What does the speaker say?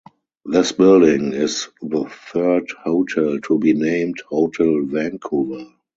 This building is the third hotel to be named "Hotel Vancouver".